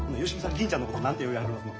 銀ちゃんのこと何て呼びはりますの？